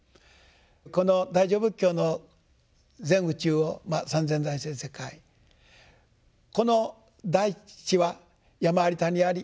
この大乗仏教の全宇宙を三千大千世界この大地は山あり谷あり